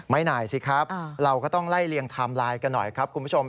หน่ายสิครับเราก็ต้องไล่เลียงไทม์ไลน์กันหน่อยครับคุณผู้ชม